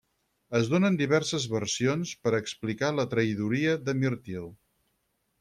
Es donen diverses versions per explicar la traïdoria de Mirtil.